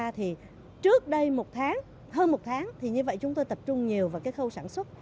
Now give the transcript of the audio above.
thì trước đây một tháng hơn một tháng thì như vậy chúng tôi tập trung nhiều vào cái khâu sản xuất